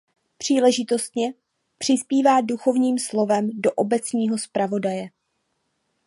Příležitostně přispívá duchovním slovem do obecního zpravodaje.